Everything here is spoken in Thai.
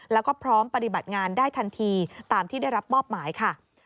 แล้วก็พร้อมปฏิบัติงานได้ทันทีตามที่ได้รับมอบหมายค่ะ